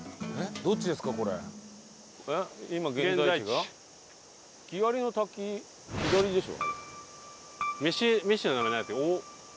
吹割の滝左でしょ。